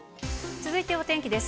続いてお天気です。